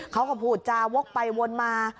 เขาก็พูดจาวกไปวนมา